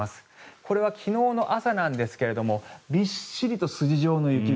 これは昨日の朝なんですがびっしりと筋状の雪雲